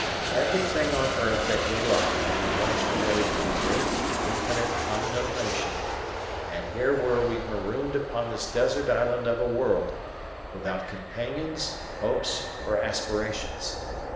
Everything on earth that we loved had been washed away into the great, infinite, unknown ocean, and here were we marooned upon this desert island of a world, without companions, hopes, or aspirations.